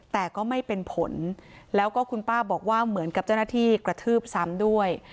แต่ก็ไม่เป็นผลแล้วก็คุณป้าบอกว่าเหมือนกับเจ้าหน้าที่กระทืบซ้ำด้วย